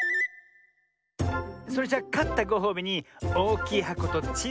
それじゃかったごほうびにおおきいはことちいさいはこ